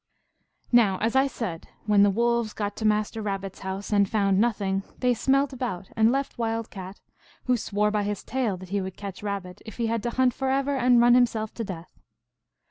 215 Now, as I said, when the wolves got to Master Rab bit s house and found nothing, they smelt about and left Wild Cat, who swore by his tail that he would catch Rabbit, if he had to hunt forever and run him self to death.